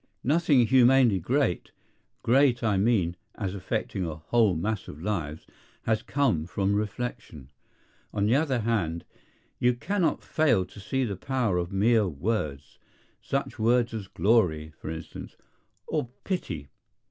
Nothing humanely great—great, I mean, as affecting a whole mass of lives—has come from reflection. On the other hand, you cannot fail to see the power of mere words; such words as Glory, for instance, or Pity.